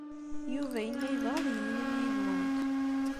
Yuba yella yebɣa ad yemlil yid-went.